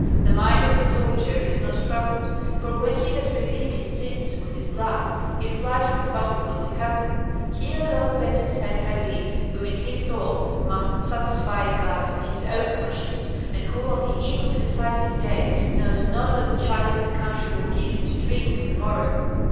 The mind of the soldier is not troubled, for when he has redeemed his sins with his blood, he flies from the battlefield to heaven; he alone bends his head heavily who in his soul must satisfy God and his own conscience, and who on the eve of the decisive day knows not what chalice the country will give him to drink on the morrow.